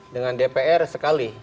dengan dpr sekali